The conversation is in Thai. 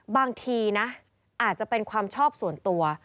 บางทีนะอาจจะเป็นความชอบส่วนตัว